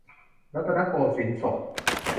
รัตนโกสินทรศก